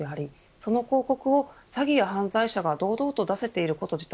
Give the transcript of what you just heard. その広告を詐欺や犯罪者が堂々と出せていること自体